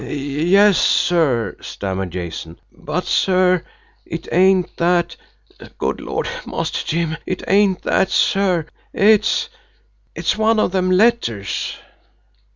"Yes, sir," stammered Jason. "But, sir, it ain't that good Lord, Master Jim, it ain't that, sir! It's it's one of them letters."